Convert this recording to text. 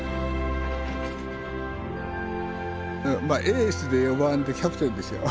エースで４番でキャプテンですよ。